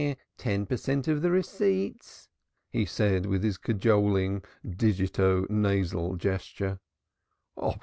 "Ten per cent. of the receipts!" he said with his cajoling digito nasal gesture.